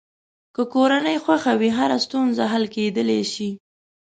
که کورنۍ خوښه وي، هره ستونزه حل کېدلی شي.